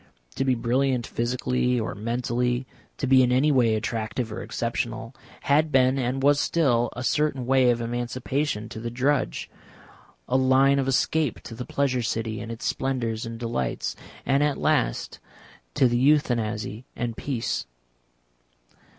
To be brilliant physically or mentally, to be in any way attractive or exceptional, had been and was still a certain way of emancipation to the drudge, a line of escape to the Pleasure City and its splendours and delights, and at last to the Euthanasy and peace.